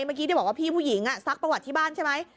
เมื่อกี้ที่บอกว่าพี่ผู้หญิงซักประวัติที่บ้านใช่ไหม